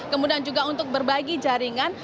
kemudian juga untuk berbagi jaringan